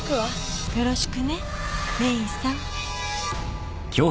よろしくねメイさん。